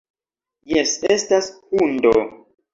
Jes, estas hundo.